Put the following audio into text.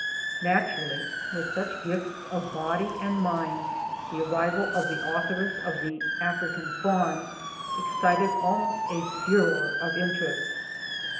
Naturally, with such gifts of body and mind the arrival of the authoress of the 'African Farm excited almost a furore of interest.